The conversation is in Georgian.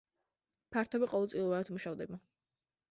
ფართობი ყოველწლიურად მუშავდება.